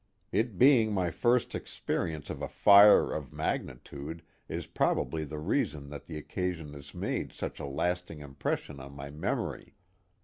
It being my first experience of a fire of magnitude is probably the reason that the occasion has made such a lasting impression on my memory.